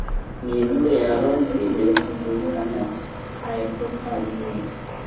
miguu ya rose ilisumbuliwa na hypothermia